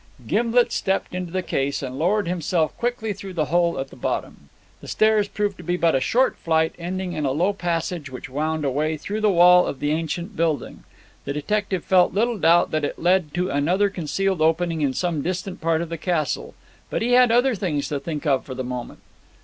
Gimblet stepped into the case, and lowered himself quickly through the hole at the bottom. The stairs proved to be but a short flight, ending in a low passage, which wound away through the wall of the ancient building. The detective felt little doubt that it led to another concealed opening in some distant part of the castle. But he had other things to think of for the moment.